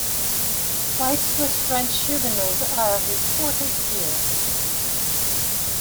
Fights with French Huguenots are reported here.